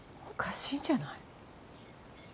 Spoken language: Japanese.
おかしいんじゃない？